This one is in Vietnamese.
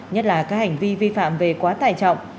nhất là các hành vi vi phạm về quá tải trọng